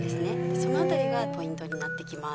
その辺りがポイントになってきます。